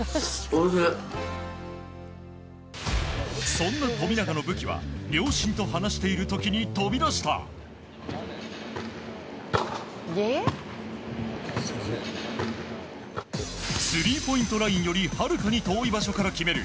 そんな富永の武器は両親と話している時に飛び出したスリーポイントラインよりはるかに遠い場所から決める